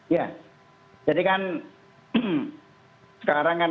ya jadi kan sekarang kan